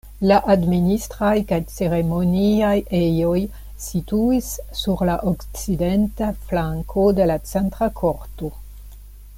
La administraj kaj ceremoniaj ejoj situis sur la okcidenta flanko de la centra korto.